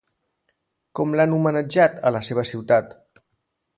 Com l'han homenatjat a la seva ciutat?